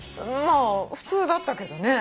まあ普通だったけどね。